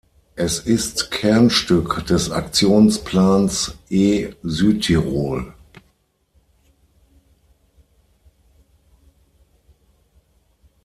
Es ist Kernstück des Aktionsplans E-Südtirol.